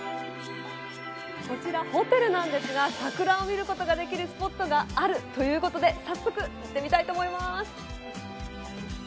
こちらホテルなんですが桜を見ることができるスポットがあるということで早速、行ってみたいと思います。